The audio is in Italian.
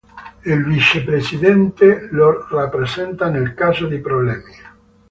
Il Vice Presidente lo rappresenta nel caso di problemi.